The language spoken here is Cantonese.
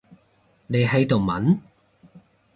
你喺度問？